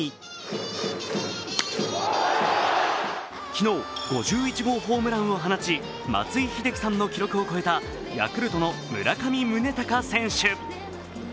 昨日、５１号ホームランを放ち松井秀喜さんを超えたヤクルトの村上宗隆選手。